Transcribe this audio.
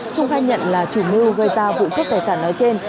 trung khai nhận là chủ mưu gây ra vụ cướp tài sản nói trên